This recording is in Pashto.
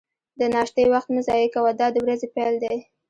د ناشتې وخت مه ضایع کوه، دا د ورځې پیل دی.